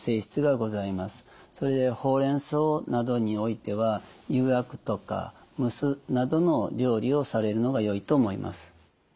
それでほうれんそうなどにおいてはゆがくとか蒸すなどの料理をされるのがよいと思います。